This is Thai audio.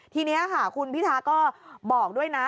ทีนี้ค่ะคุณพิทาก็บอกด้วยนะ